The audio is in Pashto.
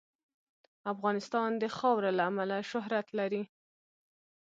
افغانستان د خاوره له امله شهرت لري.